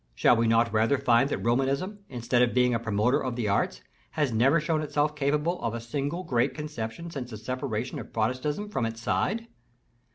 Shall we not rather find that Romanism, instead of being a promoter of the arts, has never shown itself capable of a single great conception since the separation of Protestantism from its side?